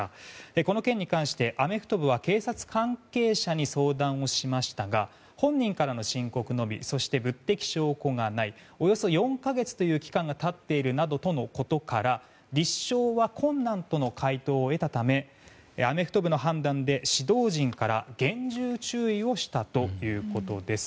この件に関して、アメフト部は警察関係者に相談をしましたが本人からの申告のみそして物的証拠がないおよそ４か月という期間が経っているなどのことから立証は困難との回答を得たためアメフト部の判断で指導陣から厳重注意をしたということです。